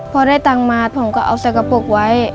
พอได้ตังค์มาผมก็เอาใส่กระปุกไว้